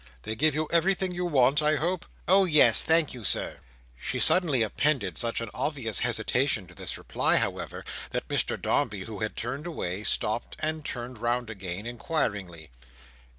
"They give you everything you want, I hope?" "Oh yes, thank you, Sir." She suddenly appended such an obvious hesitation to this reply, however, that Mr Dombey, who had turned away; stopped, and turned round again, inquiringly.